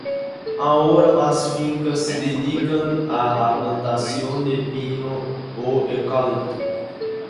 Ahora las fincas se dedican a la plantación de pino o eucalipto.